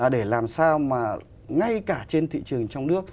để làm sao mà ngay cả trên thị trường trong nước